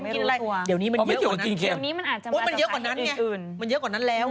อ๋อไม่เกี่ยวกับกินเครียมมันเยอะกว่านั้นเนี่ยมันเยอะกว่านั้นแล้ว